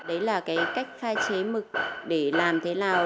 đấy là cái cách pha chế mực để làm thế nào